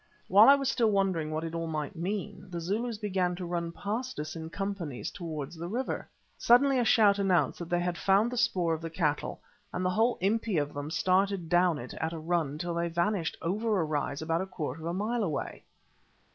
While I was still wondering what it all might mean, the Zulus began to run past us in companies towards the river. Suddenly a shout announced that they had found the spoor of the cattle, and the whole Impi of them started down it at a run till they vanished over a rise about a quarter of a mile away.